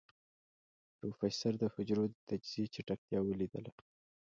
پروفيسر د حجرو د تجزيې چټکتيا وليدله.